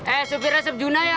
eh supirnya sepjuna ya